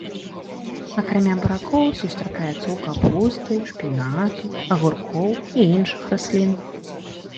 Акрамя буракоў, сустракаецца ў капусты, шпінату, агуркоў і іншых раслін.